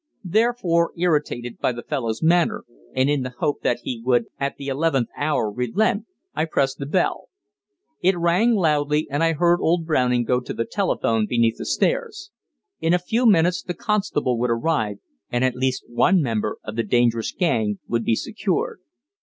Therefore, irritated by the fellow's manner, and in the hope that he would at the eleventh hour relent, I pressed the bell. It rang loudly, and I heard old Browning go to the telephone beneath the stairs. In a few minutes the constable would arrive, and at least one member of the dangerous gang would be secured.